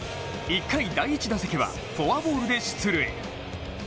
１回、第１打席はフォアボールで出塁。